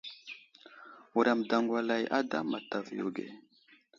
Wuram daŋgwalay ada a matavo yo age.